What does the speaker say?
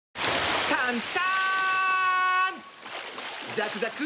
ザクザク！